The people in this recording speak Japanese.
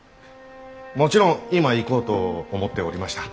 もちろん今行こうと思っておりました。